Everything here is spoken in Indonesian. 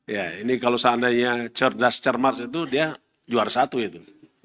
ya ini kalau seandainya cerdas cermat itu dia juara satu itu